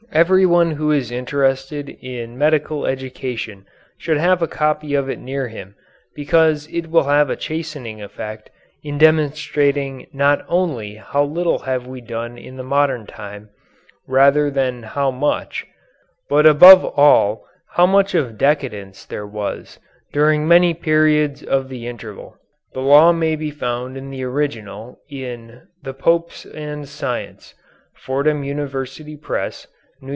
Everyone who is interested in medical education should have a copy of it near him, because it will have a chastening effect in demonstrating not only how little we have done in the modern time rather than how much, but above all how much of decadence there was during many periods of the interval. The law may be found in the original in "The Popes and Science" (Fordham University Press, N.Y.